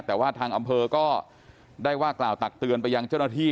แต่ว่าทางอำเภอก็ได้ว่ากล่าวตักเตือนไปยังเจ้าหน้าที่